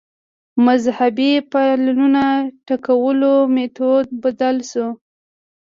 د مذهبي فعالانو ټکولو میتود بدل شو